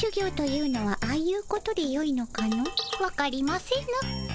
わかりませぬ。